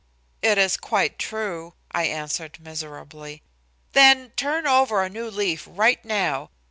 "It is quite true," I answered miserably. "Then turn over a new leaf right now.